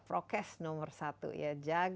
prokes nomor satu ya